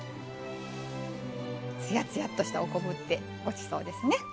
つやつやとしたお昆布ってごちそうですね。